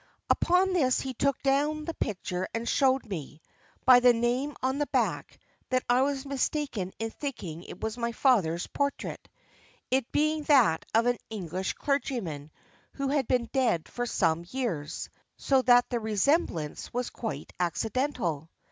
"Upon this he took down the picture and showed me, by the name on the back, that I was mistaken in thinking it was my father's portrait, it being that of an English clergyman who had been dead for some years, so that the resemblance was quite accidental.